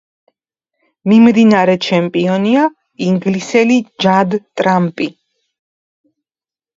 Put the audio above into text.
მიმდინარე ჩემპიონია ინგლისელი ჯად ტრამპი.